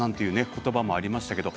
言葉もありましたけど。